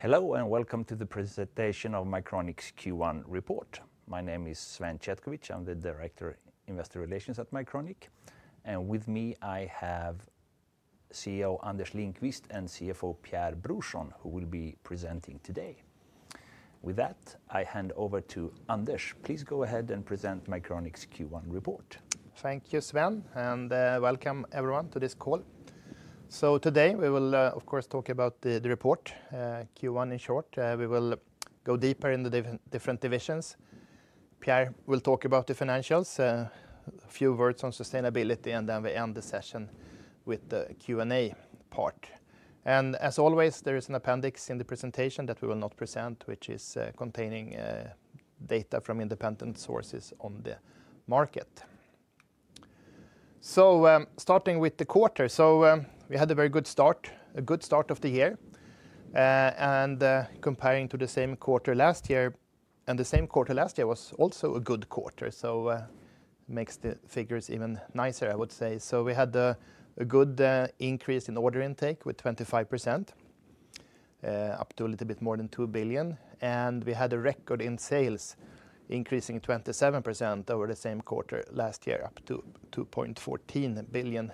Hello and welcome to the presentation of Mycronic's Q1 report. My name is Sven Chetkovich, I'm the Director of Investor Relations at Mycronic, and with me I have CEO Anders Lindqvist and CFO Pierre Brorsson, who will be presenting today. With that, I hand over to Anders, please go ahead and present Mycronic's Q1 report. Thank you, Sven, and welcome everyone to this call. Today we will, of course, talk about the report, Q1 in short. We will go deeper into the different divisions. Pierre will talk about the financials, a few words on sustainability, and then we end the session with the Q&A part. As always, there is an appendix in the presentation that we will not present, which is containing data from independent sources on the market. Starting with the quarter, we had a very good start, a good start of the year, and comparing to the same quarter last year, and the same quarter last year was also a good quarter, so it makes the figures even nicer, I would say. We had a good increase in order intake with 25%, up to a little bit more than 2 billion, and we had a record in sales increasing 27% over the same quarter last year, up to 2.14 billion,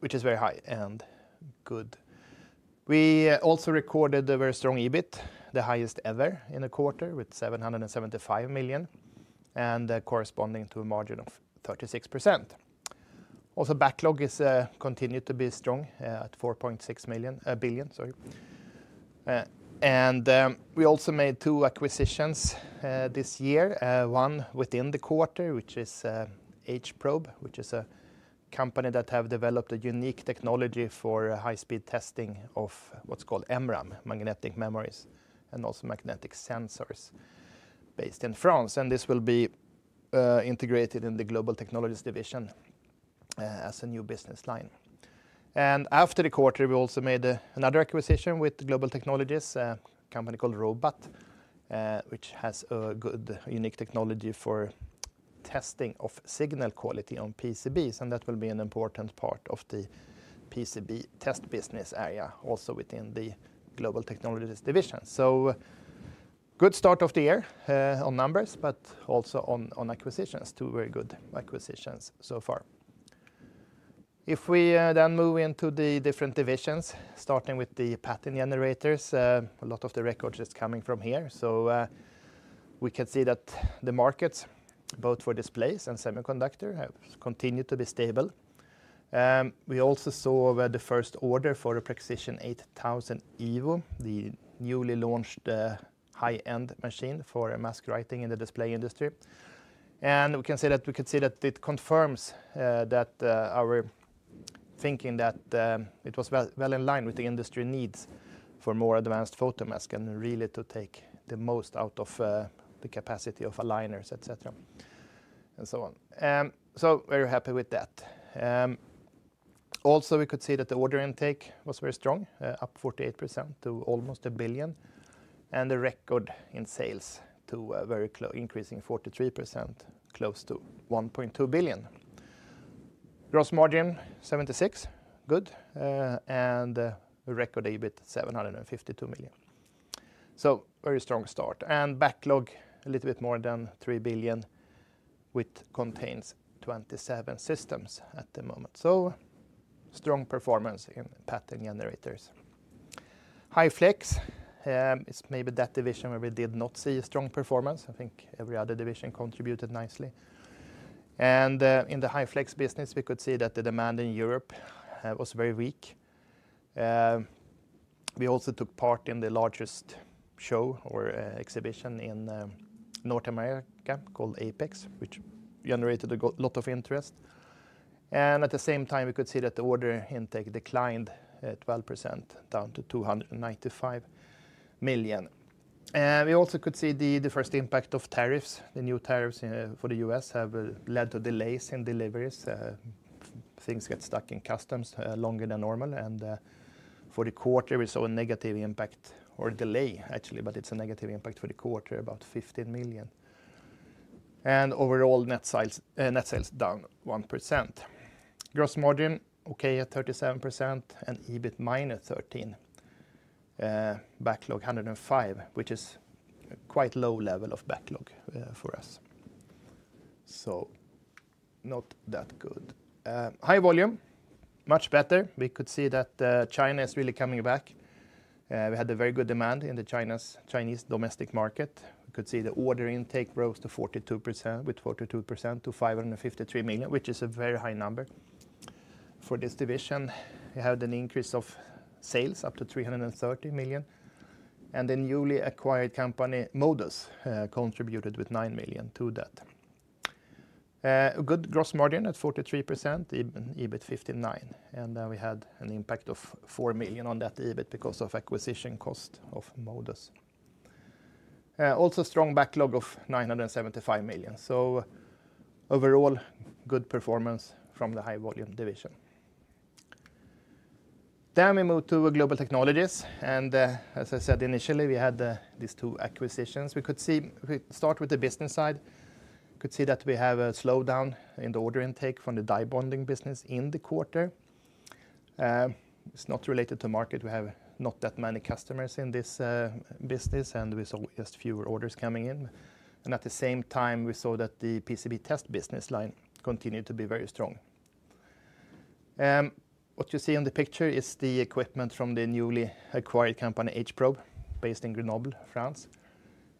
which is very high and good. We also recorded a very strong EBIT, the highest ever in a quarter with 775 million, and corresponding to a margin of 36%. Also, backlog continued to be strong at 4.6 billion. We also made two acquisitions this year, one within the quarter, which is Hprobe, which is a company that has developed a unique technology for high-speed testing of what's called MRAM, magnetic memories, and also magnetic sensors based in France, and this will be integrated in the Global Technologies division as a new business line. After the quarter, we also made another acquisition with Global Technologies, a company called Robat, which has a good, unique technology for testing of signal quality on PCBs, and that will be an important part of the PCB test business area, also within the Global Technologies division. Good start of the year on numbers, but also on acquisitions, two very good acquisitions so far. If we then move into the different divisions, starting with the Pattern Generators, a lot of the records are coming from here, so we can see that the markets, both for displays and semiconductors, have continued to be stable. We also saw the first order for a Prexision 8000 EVO, the newly launched high-end machine for mask writing in the display industry. We can see that it confirms our thinking that it was well in line with the industry needs for more advanced photomasks and really to take the most out of the capacity of aligners, etc., and so on. Very happy with that. Also, we could see that the order intake was very strong, up 48% to almost 1 billion, and the record in sales to very increasing 43%, close to 1.2 billion. Gross margin 76%, good, and record EBIT 752 million. Very strong start. Backlog a little bit more than 3 billion, which contains 27 systems at the moment. Strong performance in Pattern Generators. High Flex, it's maybe that division where we did not see a strong performance. I think every other division contributed nicely. In the High Flex business, we could see that the demand in Europe was very weak. We also took part in the largest show or exhibition in North America called APEX, which generated a lot of interest. At the same time, we could see that the order intake declined 12%, down to 295 million. We also could see the first impact of tariffs. The new tariffs for the U.S. have led to delays in deliveries. Things get stuck in customs longer than normal. For the quarter, we saw a negative impact or delay, actually, but it is a negative impact for the quarter, about 15 million. Overall, net sales down 1%. Gross margin, okay, at 37% and EBIT minus 13. Backlog 105 million, which is quite a low level of backlog for us. Not that good. High Volume, much better. We could see that China is really coming back. We had a very good demand in the Chinese domestic market. We could see the order intake rose to 42%, with 42% to 553 million, which is a very high number for this division. We had an increase of sales up to 330 million. The newly acquired company Modus contributed with 9 million to that. A good gross margin at 43%, EBIT 59 million. We had an impact of 4 million on that EBIT because of acquisition cost of Modus. Also strong backlog of 975 million. Overall, good performance from the High Volume division. We move to Global Technologies. As I said initially, we had these two acquisitions. We could start with the business side. We could see that we have a slowdown in the order intake from the die bonding business in the quarter. It's not related to market. We have not that many customers in this business, and we saw just fewer orders coming in. At the same time, we saw that the PCB test business line continued to be very strong. What you see on the picture is the equipment from the newly acquired company Hprobe, based in Grenoble, France.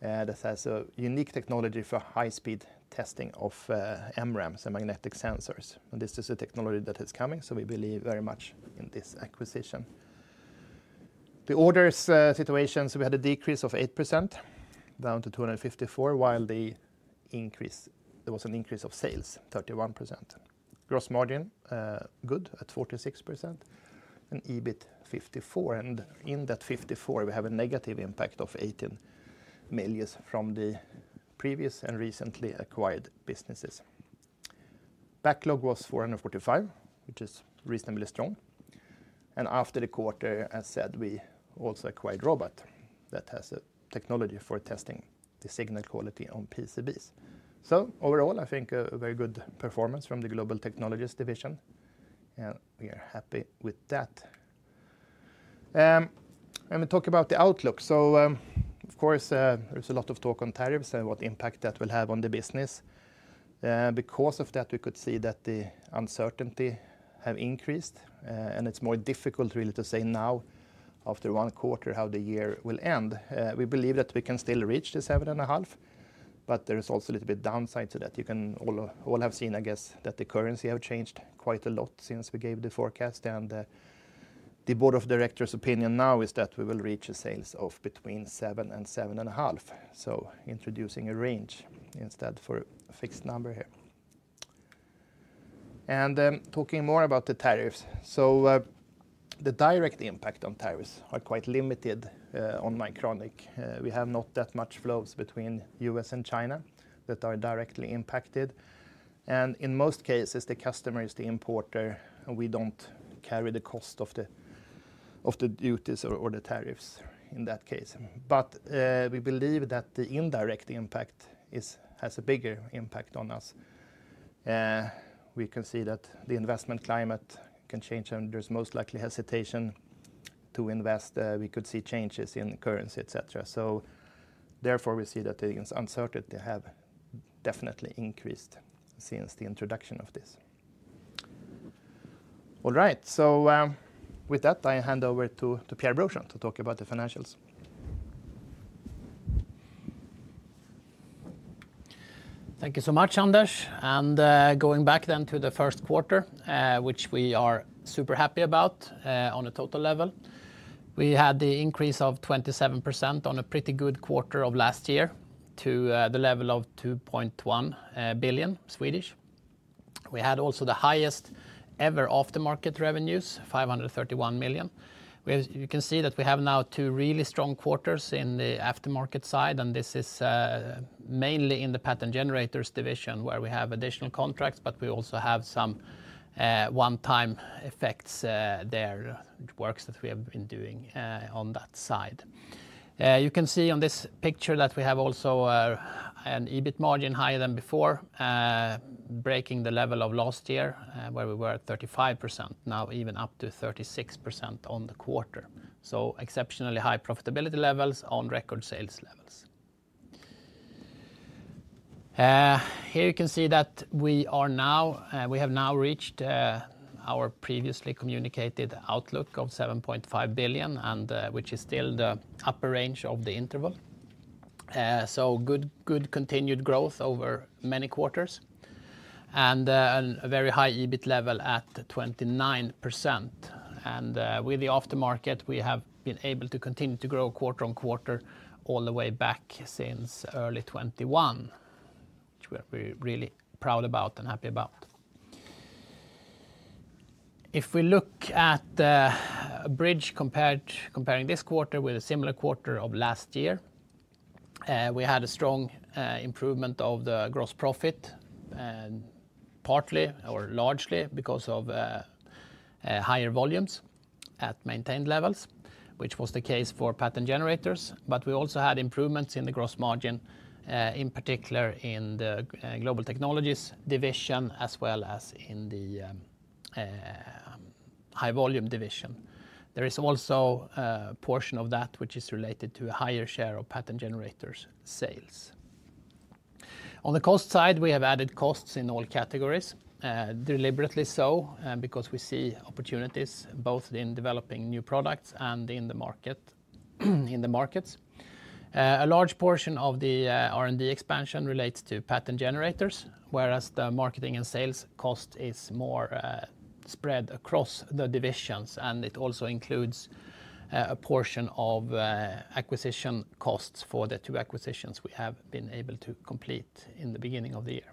This has a unique technology for high-speed testing of MRAMs, magnetic sensors. This is a technology that is coming, so we believe very much in this acquisition. The orders situation, we had a decrease of 8%, down to 254, while there was an increase of sales, 31%. Gross margin, good, at 46%, and EBIT 54. In that 54, we have a negative impact of 18 million from the previous and recently acquired businesses. Backlog was 445, which is reasonably strong. After the quarter, as I said, we also acquired Robat, that has a technology for testing the signal quality on PCBs. Overall, I think a very good performance from the Global Technologies division, and we are happy with that. We talk about the outlook. Of course, there is a lot of talk on tariffs and what impact that will have on the business. Because of that, we could see that the uncertainty has increased, and it is more difficult really to say now, after one quarter, how the year will end. We believe that we can still reach this 7.5, but there is also a little bit of downside to that. You can all have seen, I guess, that the currency has changed quite a lot since we gave the forecast, and the Board of Directors' opinion now is that we will reach sales of between 7 billion and 7.5 billion, introducing a range instead for a fixed number here. Talking more about the tariffs, the direct impact on Mycronic is quite limited. We have not that much flows between the U.S. and China that are directly impacted. In most cases, the customer is the importer, and we do not carry the cost of the duties or the tariffs in that case. We believe that the indirect impact has a bigger impact on us. We can see that the investment climate can change, and there is most likely hesitation to invest. We could see changes in currency, et cetera. Therefore, we see that the uncertainty has definitely increased since the introduction of this. All right, with that, I hand over to Pierre Brorsson to talk about the financials. Thank you so much, Anders. Going back then to the first quarter, which we are super happy about on a total level, we had the increase of 27% on a pretty good quarter of last year to the level of 2.1 billion. We had also the highest ever aftermarket revenues, 531 million. You can see that we have now two really strong quarters in the aftermarket side, and this is mainly in the Pattern Generators division, where we have additional contracts, but we also have some one-time effects there, works that we have been doing on that side. You can see on this picture that we have also an EBIT margin higher than before, breaking the level of last year, where we were at 35%, now even up to 36% on the quarter. Exceptionally high profitability levels on record sales levels. Here you can see that we have now reached our previously communicated outlook of 7.5 billion, which is still the upper range of the interval. Good continued growth over many quarters and a very high EBIT level at 29%. With the aftermarket, we have been able to continue to grow quarter on quarter all the way back since early 2021, which we're really proud about and happy about. If we look at a bridge comparing this quarter with a similar quarter of last year, we had a strong improvement of the gross profit, partly or largely because of higher volumes at maintained levels, which was the case for Pattern Generators. We also had improvements in the gross margin, in particular in the Global Technologies division, as well as in the High Volume division. There is also a portion of that which is related to a higher share of Pattern Generators sales. On the cost side, we have added costs in all categories, deliberately so, because we see opportunities both in developing new products and in the markets. A large portion of the R&D expansion relates to Pattern Generators, whereas the marketing and sales cost is more spread across the divisions, and it also includes a portion of acquisition costs for the two acquisitions we have been able to complete in the beginning of the year.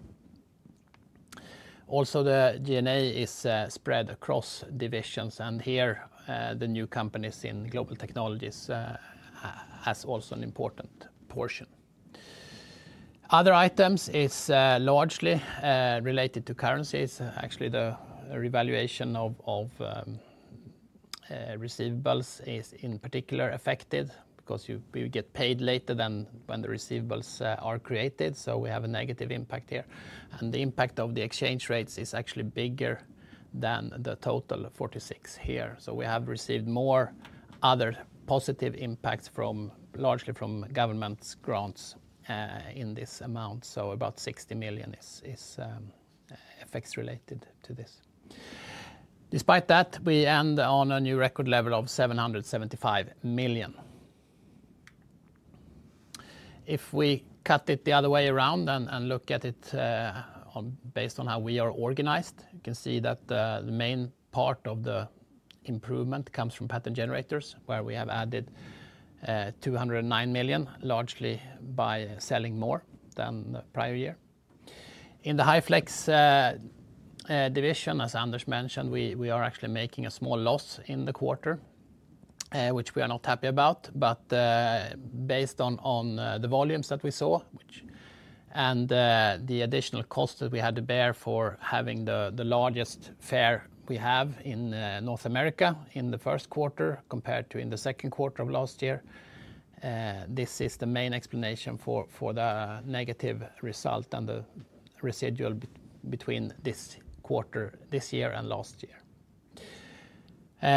Also, the G&A is spread across divisions, and here the new companies in Global Technologies have also an important portion. Other items are largely related to currencies. Actually, the revaluation of receivables is in particular affected because you get paid later than when the receivables are created, so we have a negative impact here. The impact of the exchange rates is actually bigger than the total of 46 million here. We have received more other positive impacts largely from government grants in this amount, so about 60 million is effects related to this. Despite that, we end on a new record level of 775 million. If we cut it the other way around and look at it based on how we are organized, you can see that the main part of the improvement comes from Pattern Generators, where we have added 209 million, largely by selling more than the prior year. In the High Flex division, as Anders mentioned, we are actually making a small loss in the quarter, which we are not happy about, but based on the volumes that we saw and the additional cost that we had to bear for having the largest fair we have in North America in the first quarter compared to in the second quarter of last year, this is the main explanation for the negative result and the residual between this quarter this year and last year.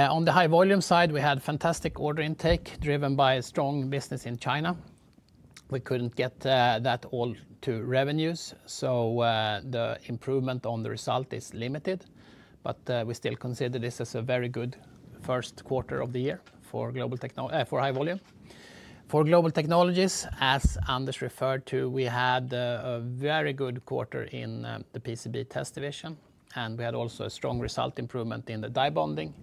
On the High Volume side, we had fantastic order intake driven by a strong business in China. We could not get that all to revenues, so the improvement on the result is limited, but we still consider this as a very good first quarter of the year for High Volume. For Global Technologies, as Anders referred to, we had a very good quarter in the PCB test division, and we had also a strong result improvement in the die bonding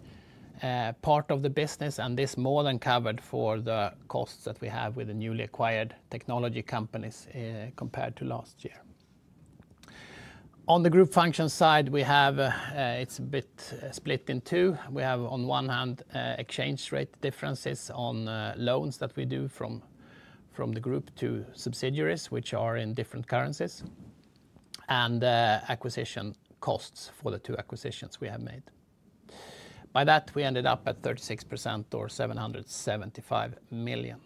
part of the business, and this more than covered for the costs that we have with the newly acquired technology companies compared to last year. On the group function side, it is a bit split in two. We have, on one hand, exchange rate differences on loans that we do from the group to subsidiaries, which are in different currencies, and acquisition costs for the two acquisitions we have made. By that, we ended up at 36% or 775 million.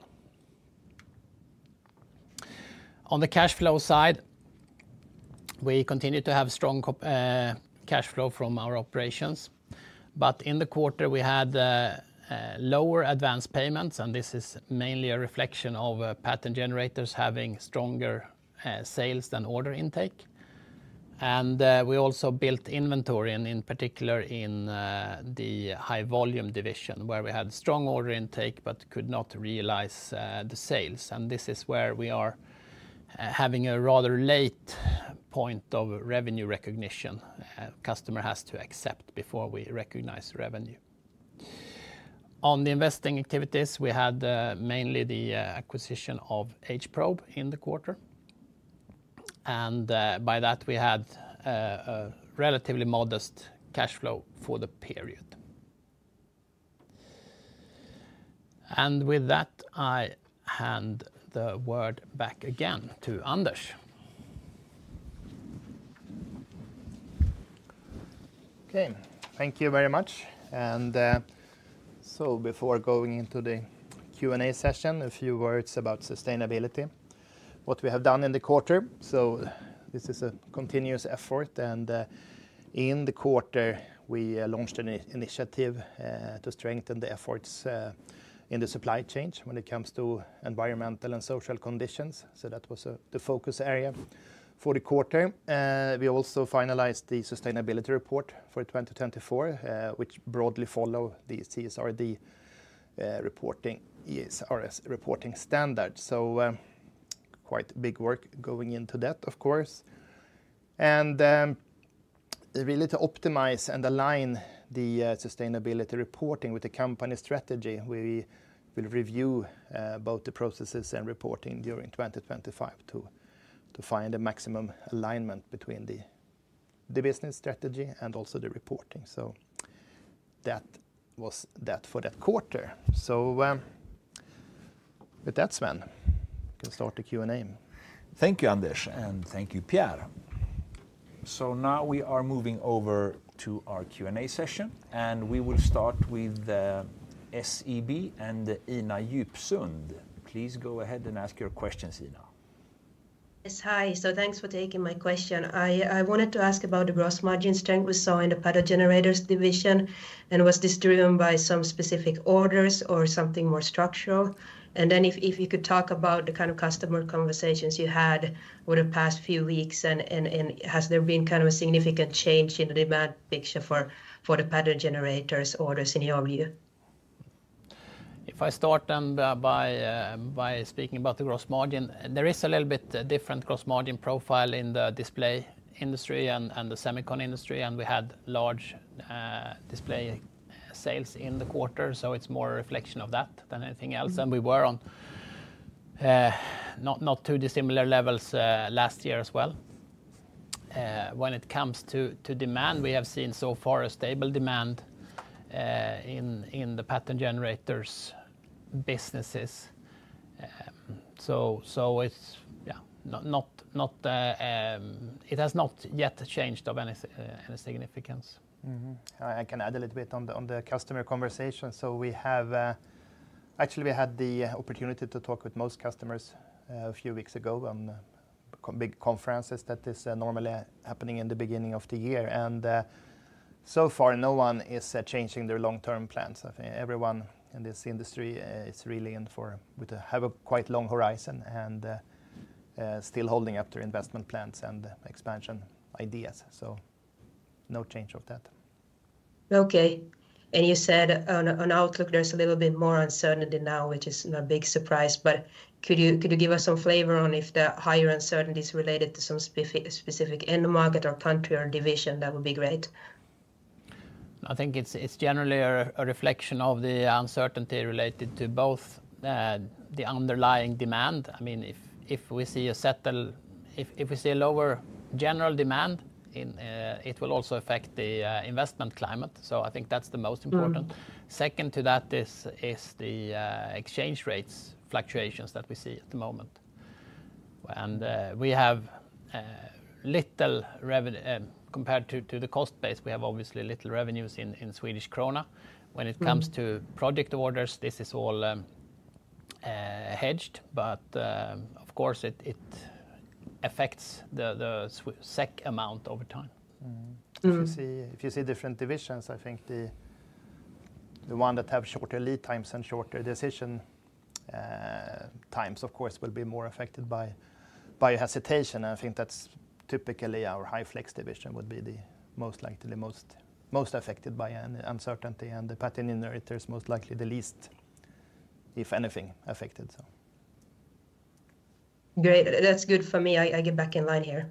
On the cash flow side, we continue to have strong cash flow from our operations, but in the quarter, we had lower advance payments, and this is mainly a reflection of Pattern Generators having stronger sales than order intake. We also built inventory, in particular in the High Volume division, where we had strong order intake but could not realize the sales. This is where we are having a rather late point of revenue recognition. A customer has to accept before we recognize revenue. On the investing activities, we had mainly the acquisition of Hprobe in the quarter. By that, we had a relatively modest cash flow for the period. With that, I hand the word back again to Anders. Okay, thank you very much. Before going into the Q&A session, a few words about sustainability. What we have done in the quarter, this is a continuous effort, and in the quarter, we launched an initiative to strengthen the efforts in the supply chain when it comes to environmental and social conditions. That was the focus area for the quarter. We also finalized the sustainability report for 2024, which broadly follows the CSRD reporting standards. Quite big work going into that, of course. Really to optimize and align the sustainability reporting with the company strategy, we will review both the processes and reporting during 2025 to find a maximum alignment between the business strategy and also the reporting. That was that for that quarter. With that, Sven, we can start the Q&A. Thank you, Anders, and thank you, Pierre. Now we are moving over to our Q&A session, and we will start with SEB and Ina Djupsund. Please go ahead and ask your questions, Ina. Yes, hi. Thanks for taking my question. I wanted to ask about the gross margin strength we saw in the Pattern Generators division, and was this driven by some specific orders or something more structural? If you could talk about the kind of customer conversations you had over the past few weeks, has there been kind of a significant change in the demand picture for the Pattern Generators orders in your view? If I start then by speaking about the gross margin, there is a little bit different gross margin profile in the display industry and the semiconductor industry, and we had large display sales in the quarter, so it is more a reflection of that than anything else. We were on not too dissimilar levels last year as well. When it comes to demand, we have seen so far a stable demand in the Pattern Generators businesses. It has not yet changed of any significance. I can add a little bit on the customer conversation. Actually, we had the opportunity to talk with most customers a few weeks ago on big conferences that are normally happening in the beginning of the year. So far, no one is changing their long-term plans. Everyone in this industry is really in for we have a quite long horizon and still holding up their investment plans and expansion ideas. No change of that. Okay. You said on outlook, there's a little bit more uncertainty now, which is a big surprise. Could you give us some flavor on if the higher uncertainty is related to some specific end market or country or division? That would be great. I think it's generally a reflection of the uncertainty related to both the underlying demand. I mean, if we see a settle, if we see a lower general demand, it will also affect the investment climate. I think that's the most important. Second to that is the exchange rates fluctuations that we see at the moment. We have little revenue compared to the cost base. We have obviously little revenues in SEK. When it comes to project orders, this is all hedged, but of course, it affects the SEK amount over time. If you see different divisions, I think the one that have shorter lead times and shorter decision times, of course, will be more affected by hesitation. I think that's typically our High Flex division would be the most likely most affected by uncertainty, and the Pattern Generators most likely the least, if anything, affected. Great. That's good for me. I get back in line here.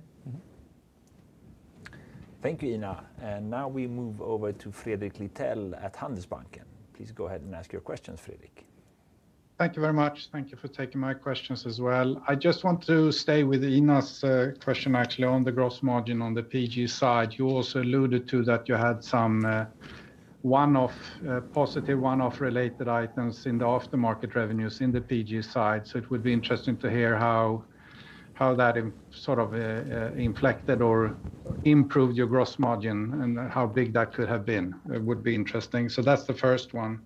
Thank you, Ina. Now we move over to Fredrik Lithell at Handelsbanken. Please go ahead and ask your questions, Fredrik. Thank you very much. Thank you for taking my questions as well. I just want to stay with Ina's question actually on the gross margin on the PG side. You also alluded to that you had some positive one-off related items in the aftermarket revenues in the PG side. It would be interesting to hear how that sort of inflected or improved your gross margin and how big that could have been. It would be interesting. That is the first one.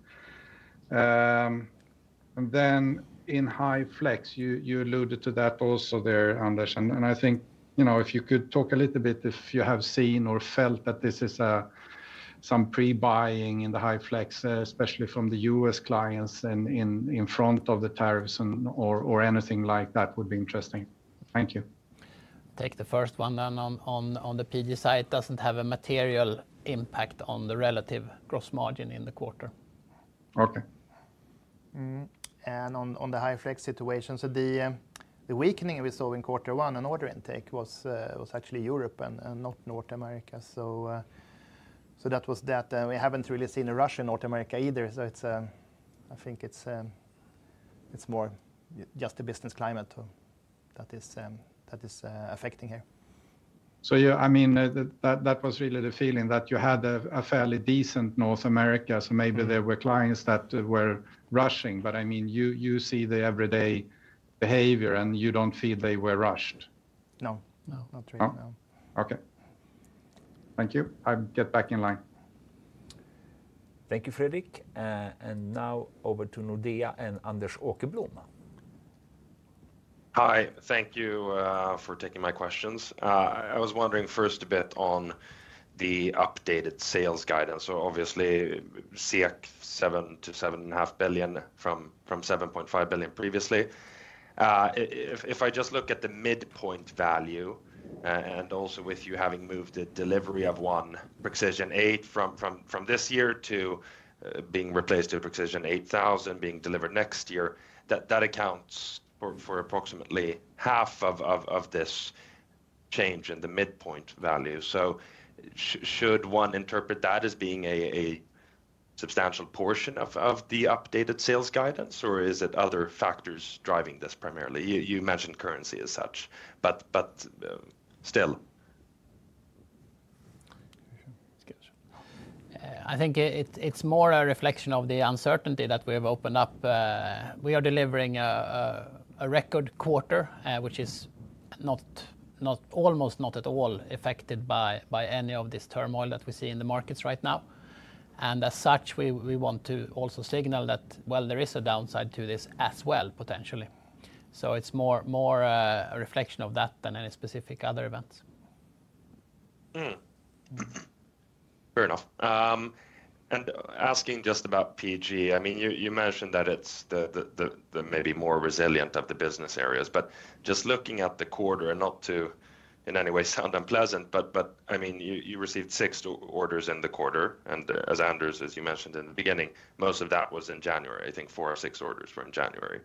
In High Flex, you alluded to that also there, Anders. I think if you could talk a little bit if you have seen or felt that this is some pre-buying in the High Flex, especially from the U.S. clients in front of the tariffs or anything like that would be interesting. Thank you. Take the first one then on the PG side. It doesn't have a material impact on the relative gross margin in the quarter. Okay. On the High Flex situation, the weakening we saw in quarter one and order intake was actually Europe and not North America. That was that. We have not really seen a rush in North America either. I think it is more just the business climate that is affecting here. I mean, that was really the feeling that you had a fairly decent North America. Maybe there were clients that were rushing. I mean, you see the everyday behavior and you do not feel they were rushed. No, not really. Okay. Thank you. I'll get back in line. Thank you, Fredrik. Thank you, and now over to Nordea and Anders Åkerblom. Hi. Thank you for taking my questions. I was wondering first a bit on the updated sales guidance. Obviously, 7 billion-7.5 billion from 7.5 billion previously. If I just look at the midpoint value and also with you having moved the delivery of one Prexision 8000 from this year to being replaced with Prexision 8000 being delivered next year, that accounts for approximately half of this change in the midpoint value. Should one interpret that as being a substantial portion of the updated sales guidance, or are other factors driving this primarily? You mentioned currency as such, but still. I think it's more a reflection of the uncertainty that we have opened up. We are delivering a record quarter, which is almost not at all affected by any of this turmoil that we see in the markets right now. As such, we want to also signal that, well, there is a downside to this as well potentially. It is more a reflection of that than any specific other events. Fair enough. Asking just about PG, you mentioned that it's the maybe more resilient of the business areas. Just looking at the quarter, and not to in any way sound unpleasant, you received six orders in the quarter. As Anders, as you mentioned in the beginning, most of that was in January. I think four of six orders were in January.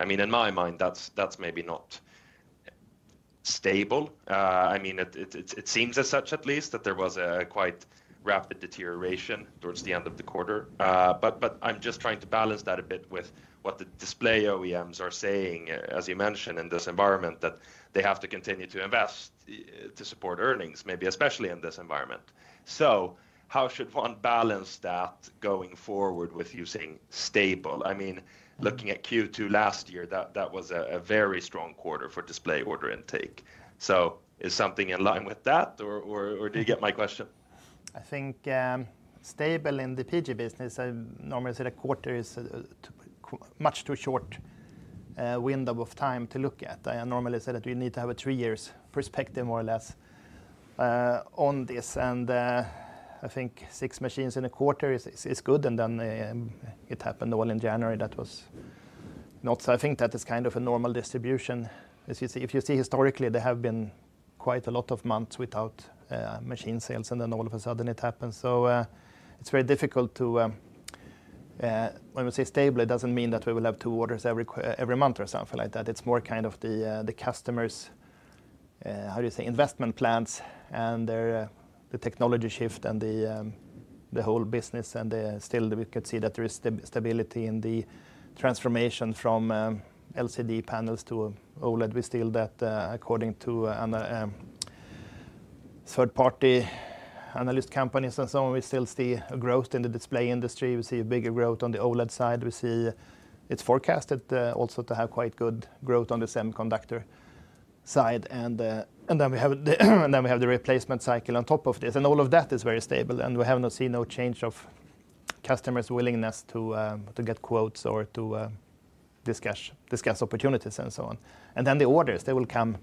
In my mind, that's maybe not stable. It seems as such at least that there was a quite rapid deterioration towards the end of the quarter. I'm just trying to balance that a bit with what the display OEMs are saying, as you mentioned in this environment, that they have to continue to invest to support earnings, maybe especially in this environment. How should one balance that going forward with using stable? I mean, looking at Q2 last year, that was a very strong quarter for display order intake. Is something in line with that, or do you get my question? I think stable in the PG business, I normally say that quarter is much too short a window of time to look at. I normally say that we need to have a three-year perspective more or less on this. I think six machines in a quarter is good. It happened all in January. That was not. I think that is kind of a normal distribution. If you see historically, there have been quite a lot of months without machine sales, and then all of a sudden it happens. It is very difficult to, when we say stable, it does not mean that we will have two orders every month or something like that. It is more kind of the customer's, how do you say, investment plans and the technology shift and the whole business. Still, we could see that there is stability in the transformation from LCD panels to OLED. We still, according to third-party analyst companies and so on, see a growth in the display industry. We see a bigger growth on the OLED side. We see it is forecasted also to have quite good growth on the semiconductor side. Then we have the replacement cycle on top of this. All of that is very stable. We have not seen any change of customers' willingness to get quotes or to discuss opportunities and so on. The orders will come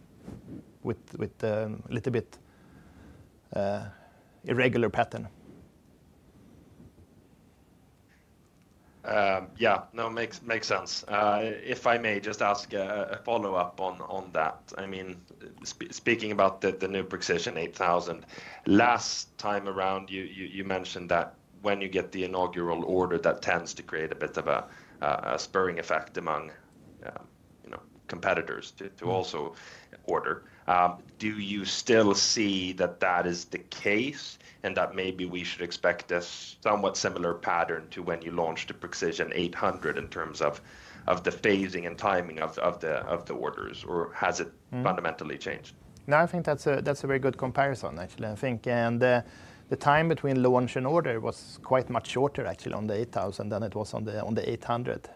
with a little bit irregular pattern. Yeah, no, makes sense. If I may just ask a follow-up on that. I mean, speaking about the new Prexision 8000, last time around, you mentioned that when you get the inaugural order, that tends to create a bit of a spurring effect among competitors to also order. Do you still see that that is the case and that maybe we should expect a somewhat similar pattern to when you launched the Prexision 800 in terms of the phasing and timing of the orders, or has it fundamentally changed? No, I think that's a very good comparison, actually, I think. The time between launch and order was quite much shorter, actually, on the 8000 than it was on the 800.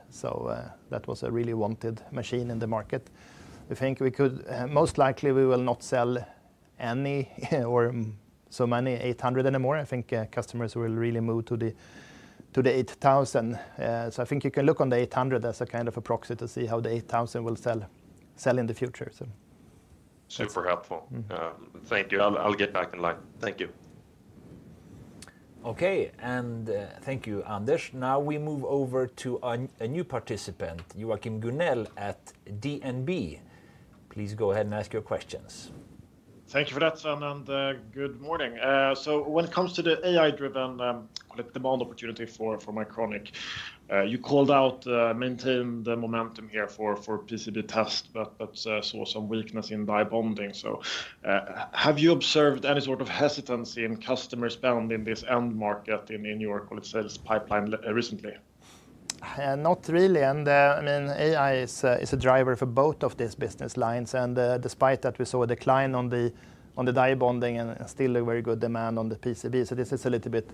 That was a really wanted machine in the market. I think we could most likely we will not sell any or so many 800 anymore. I think customers will really move to the 8000. I think you can look on the 800 as a kind of a proxy to see how the 8000 will sell in the future. Super helpful. Thank you. I'll get back in line. Thank you. Okay. Thank you, Anders. Now we move over to a new participant, Joachim Gunell at DNB. Please go ahead and ask your questions. Thank you for that, Sven, and good morning. When it comes to the AI-driven demand opportunity for Mycronic, you called out maintained momentum here for PCB tests, but saw some weakness in die bonding. Have you observed any sort of hesitancy in customers' spend in this end market in your sales pipeline recently? Not really. I mean, AI is a driver for both of these business lines. Despite that, we saw a decline on the die bonding and still a very good demand on the PCB. This is a little bit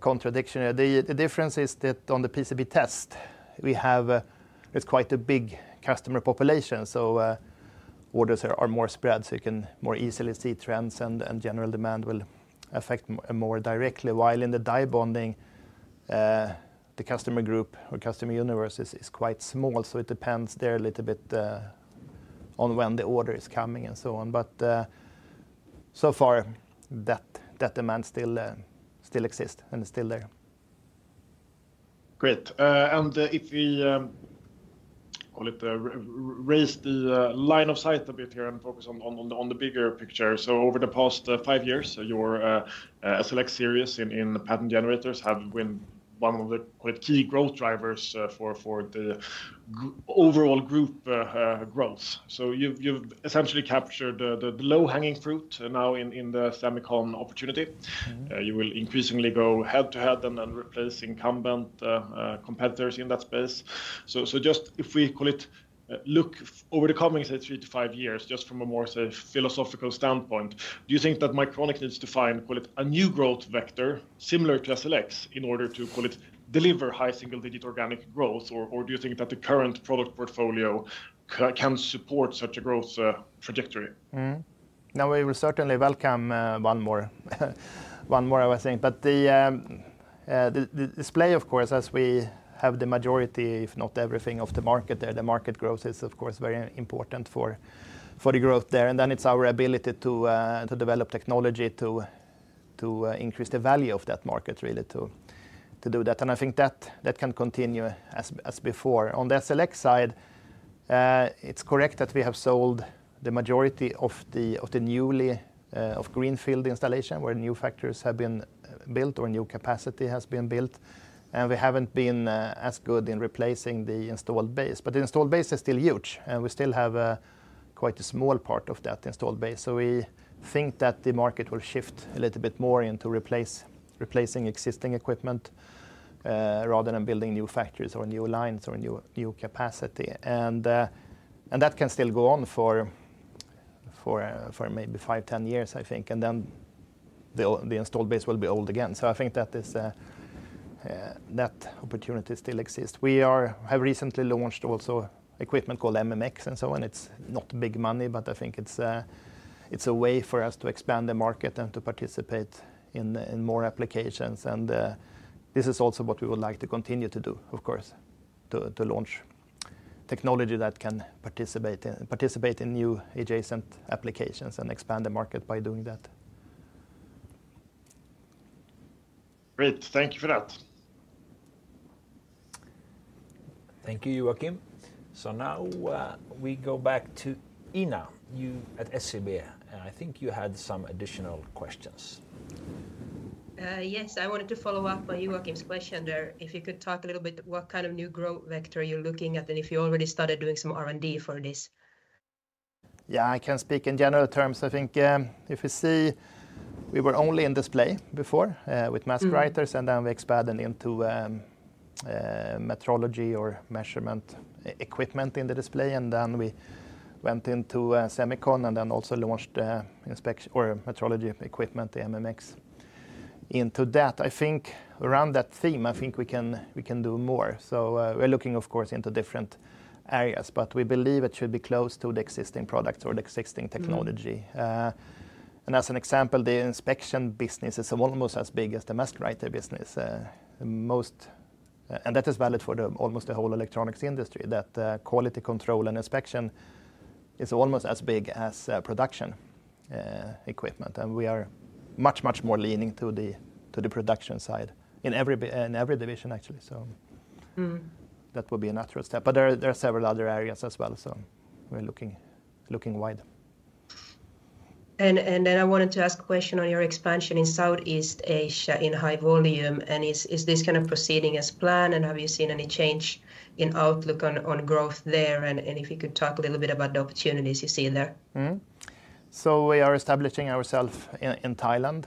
contradictory. The difference is that on the PCB test, we have quite a big customer population. Orders are more spread, so you can more easily see trends and general demand will affect more directly. While in the die bonding, the customer group or customer universe is quite small. It depends there a little bit on when the order is coming and so on. So far, that demand still exists and is still there. Great. If we raise the line of sight a bit here and focus on the bigger picture. Over the past five years, your SLX series in Pattern Generators have been one of the key growth drivers for the overall group growth. You have essentially captured the low-hanging fruit now in the Semicon opportunity. You will increasingly go head-to-head and replace incumbent competitors in that space. If we look over the coming three to five years, just from a more philosophical standpoint, do you think that Mycronic needs to find a new growth vector similar to SLX in order to deliver high single-digit organic growth, or do you think that the current product portfolio can support such a growth trajectory? We will certainly welcome one more, I was saying. The display, of course, as we have the majority, if not everything, of the market there, the market growth is, of course, very important for the growth there. It is our ability to develop technology to increase the value of that market, really to do that. I think that can continue as before. On the SLX side, it is correct that we have sold the majority of the newly of greenfield installation where new factories have been built or new capacity has been built. We have not been as good in replacing the installed base. The installed base is still huge, and we still have quite a small part of that installed base. We think that the market will shift a little bit more into replacing existing equipment rather than building new factories or new lines or new capacity. That can still go on for maybe five, ten years, I think. Then the installed base will be old again. I think that opportunity still exists. We have recently launched also equipment called MMX and so on. It's not big money, but I think it's a way for us to expand the market and to participate in more applications. This is also what we would like to continue to do, of course, to launch technology that can participate in new adjacent applications and expand the market by doing that. Great. Thank you for that. Thank you, Joachim. Now we go back to Ina at SEB. I think you had some additional questions. Yes, I wanted to follow up on Joachim question there. If you could talk a little bit what kind of new growth vector you're looking at and if you already started doing some R&D for this. Yeah, I can speak in general terms. I think if you see, we were only in display before with Mask Writers, and then we expanded into metrology or measurement equipment in the display. Then we went into Semicon and also launched metrology equipment, the MMX, into that. I think around that theme, I think we can do more. We are looking, of course, into different areas, but we believe it should be close to the existing products or the existing technology. As an example, the inspection business is almost as big as the Mask Writer business. That is valid for almost the whole electronics industry, that quality control and inspection is almost as big as production equipment. We are much, much more leaning to the production side in every division, actually. That would be a natural step. There are several other areas as well. We are looking wide. I wanted to ask a question on your expansion in Southeast Asia in high volume. Is this kind of proceeding as planned? Have you seen any change in outlook on growth there? If you could talk a little bit about the opportunities you see there. We are establishing ourselves in Thailand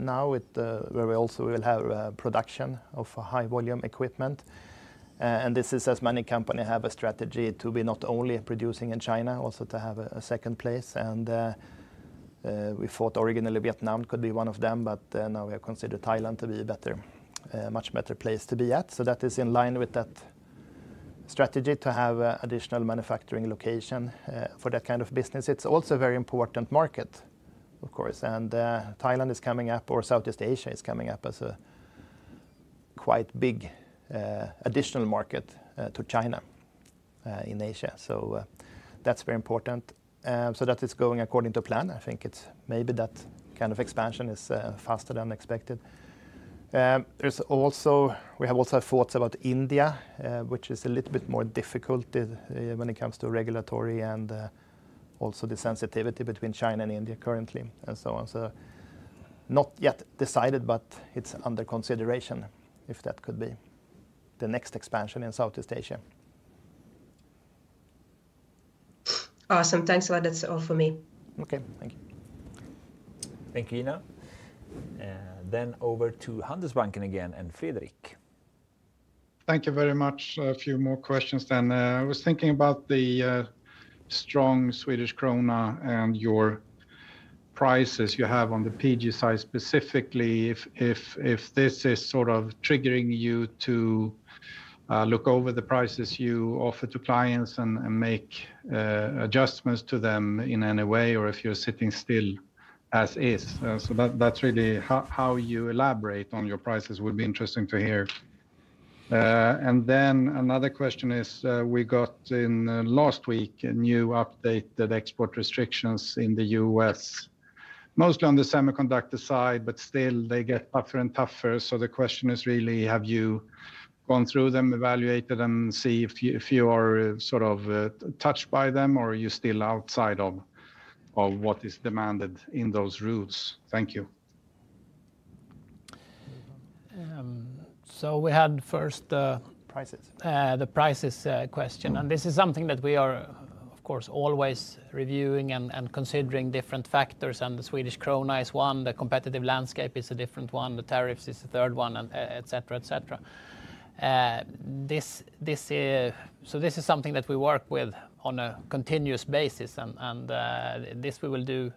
now where we also will have production of high-volume equipment. This is as many companies have a strategy to be not only producing in China, also to have a second place. We thought originally Vietnam could be one of them, but now we have considered Thailand to be a much better place to be at. That is in line with that strategy to have additional manufacturing location for that kind of business. It is also a very important market, of course. Thailand is coming up, or Southeast Asia is coming up as a quite big additional market to China in Asia. That is very important. That is going according to plan. I think maybe that kind of expansion is faster than expected. We have also thoughts about India, which is a little bit more difficult when it comes to regulatory and also the sensitivity between China and India currently and so on. Not yet decided, but it's under consideration if that could be the next expansion in Southeast Asia. Awesome. Thanks a lot. That's all for me. Okay. Thank you. Thank you, Ina. Over to Handelsbanken again and Fredrik. Thank you very much. A few more questions then. I was thinking about the strong Swedish krona and your prices you have on the PG side specifically. If this is sort of triggering you to look over the prices you offer to clients and make adjustments to them in any way, or if you're sitting still as is. That is really how you elaborate on your prices would be interesting to hear. Another question is we got in last week a new updated export restrictions in the U.S., mostly on the semiconductor side, but still they get tougher and tougher. The question is really, have you gone through them, evaluated them, see if you are sort of touched by them, or are you still outside of what is demanded in those routes? Thank you. We had first the prices question. This is something that we are, of course, always reviewing and considering different factors. The Swedish krona is one. The competitive landscape is a different one. The tariffs is the third one, et cetera, et cetera. This is something that we work with on a continuous basis. This we will do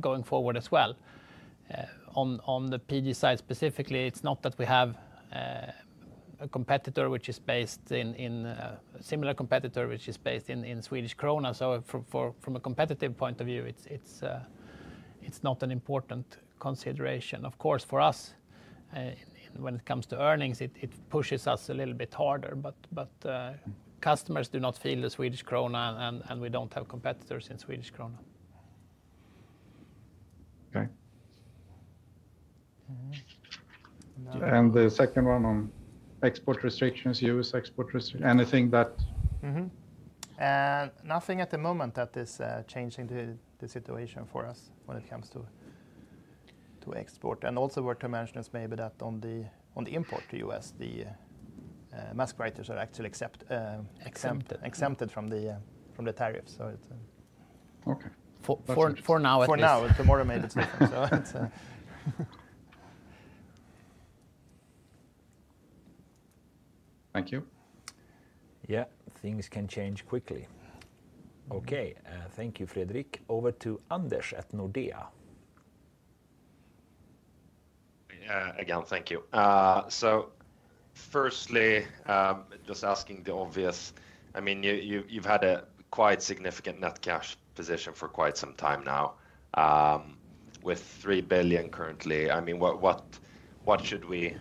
going forward as well. On the PG side specifically, it's not that we have a competitor which is based in a similar competitor which is based in Swedish krona. From a competitive point of view, it's not an important consideration. Of course, for us, when it comes to earnings, it pushes us a little bit harder. Customers do not feel the Swedish krona, and we do not have competitors in Swedish krona. Okay. The second one on export restrictions, U.S. export restrictions, anything that? Nothing at the moment that is changing the situation for us when it comes to export. Also worth to mention is maybe that on the import to the U.S., the Mask Writers are actually exempted from the tariffs. Okay. For now, at least. Tomorrow may be different. Thank you. Yeah, things can change quickly. Okay. Thank you, Fredrik. Over to Anders at Nordea. Thank you. Firstly, just asking the obvious. I mean, you've had a quite significant net cash position for quite some time now with 3 billion currently. I mean, what should we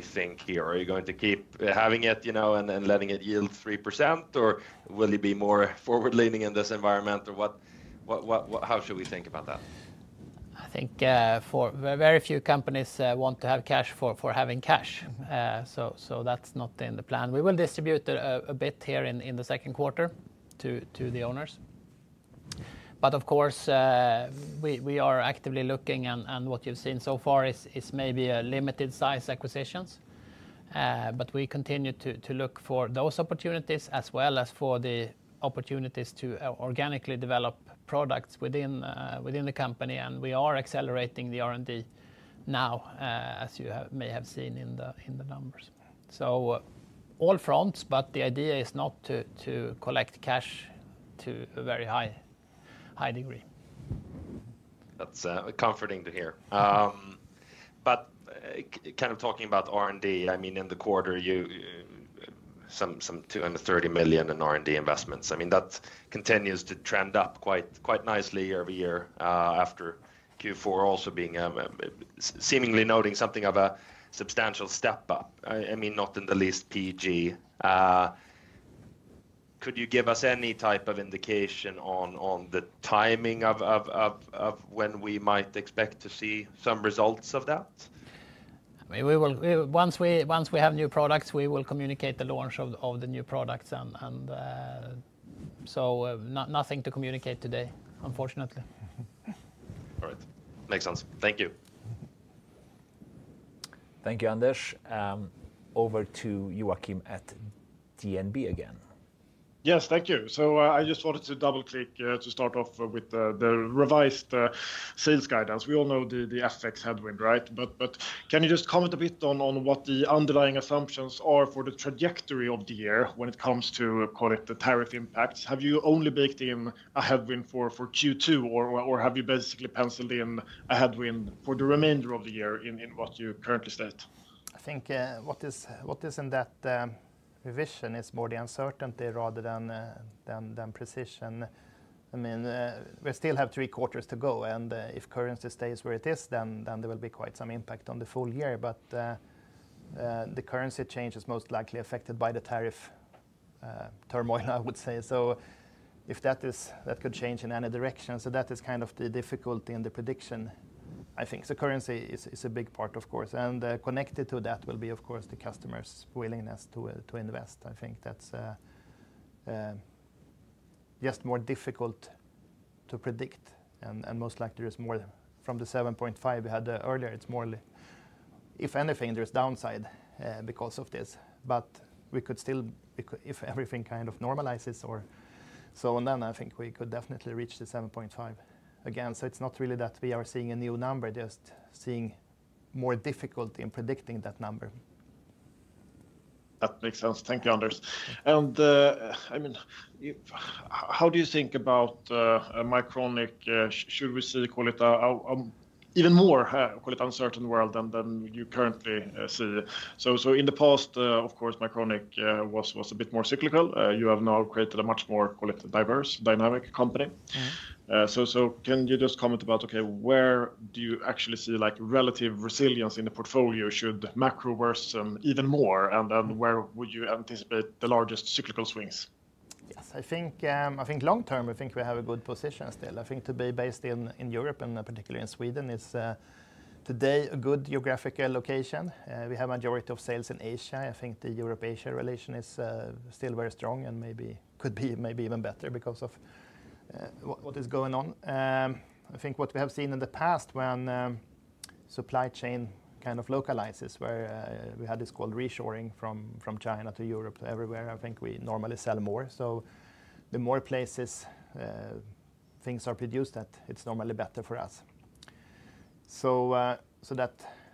think here? Are you going to keep having it and letting it yield 3%, or will you be more forward-leaning in this environment, or how should we think about that? I think very few companies want to have cash for having cash. That is not in the plan. We will distribute a bit here in the second quarter to the owners. Of course, we are actively looking, and what you have seen so far is maybe limited-size acquisitions. We continue to look for those opportunities as well as for the opportunities to organically develop products within the company. We are accelerating the R&D now, as you may have seen in the numbers. All fronts, but the idea is not to collect cash to a very high degree. That's comforting to hear. Kind of talking about R&D, I mean, in the quarter, some 230 million in R&D investments. I mean, that continues to trend up quite nicely year-over-year after Q4 also seemingly noting something of a substantial step up. I mean, not in the least PG. Could you give us any type of indication on the timing of when we might expect to see some results of that? Once we have new products, we will communicate the launch of the new products. Nothing to communicate today, unfortunately. All right. Makes sense. Thank you. Thank you, Anders. Over to Joachim at DNB again. Yes, thank you. I just wanted to double-click to start off with the revised sales guidance. We all know the FX headwind, right? Can you just comment a bit on what the underlying assumptions are for the trajectory of the year when it comes to, call it, the tariff impacts? Have you only baked in a headwind for Q2, or have you basically penciled in a headwind for the remainder of the year in what you currently state? I think what is in that revision is more the uncertainty rather than Prexision. I mean, we still have three quarters to go. If currency stays where it is, then there will be quite some impact on the full year. The currency change is most likely affected by the tariff turmoil, I would say. That could change in any direction, so that is kind of the difficulty in the prediction, I think. Currency is a big part, of course. Connected to that will be, of course, the customer's willingness to invest. I think that's just more difficult to predict. Most likely, there's more from the 7.5 we had earlier. It's more if anything, there's downside because of this. We could still, if everything kind of normalizes or so on, then I think we could definitely reach the 7.5 again. It is not really that we are seeing a new number, just seeing more difficulty in predicting that number. That makes sense. Thank you, Anders. I mean, how do you think about Mycronic? Should we see even more uncertain world than you currently see? In the past, of course, Mycronic was a bit more cyclical. You have now created a much more diverse, dynamic company. Can you just comment about, okay, where do you actually see relative resilience in the portfolio should macro worsen even more? Where would you anticipate the largest cyclical swings? Yes, I think long term, I think we have a good position still. I think to be based in Europe, and particularly in Sweden, is today a good geographical location. We have a majority of sales in Asia. I think the Europe-Asia relation is still very strong and maybe could be maybe even better because of what is going on. I think what we have seen in the past when supply chain kind of localizes, where we had this called reshoring from China to Europe to everywhere, I think we normally sell more. The more places things are produced at, it's normally better for us.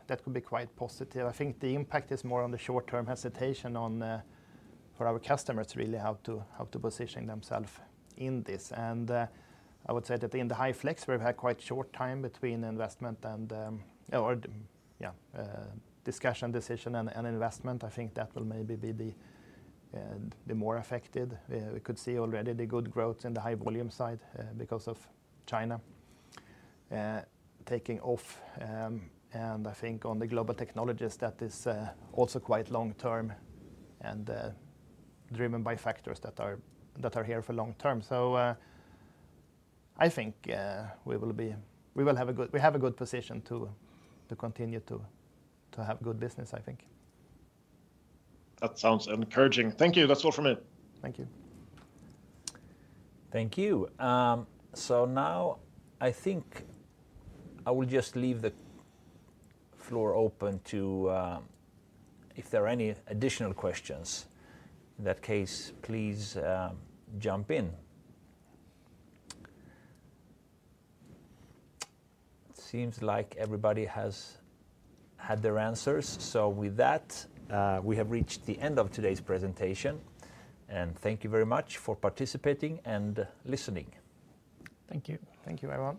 That could be quite positive. I think the impact is more on the short-term hesitation for our customers really how to position themselves in this. I would say that in the High Flex, we've had quite short time between investment and, yeah, discussion, decision, and investment. I think that will maybe be the more affected. We could see already the good growth in the High Volume side because of China taking off. I think on the Global Technologies, that is also quite long-term and driven by factors that are here for long-term. I think we will have a good position to continue to have good business, I think. That sounds encouraging. Thank you. That's all from me. Thank you. Thank you. Now I think I will just leave the floor open to if there are any additional questions. In that case, please jump in. It seems like everybody has had their answers. With that, we have reached the end of today's presentation. Thank you very much for participating and listening. Thank you. Thank you, everyone.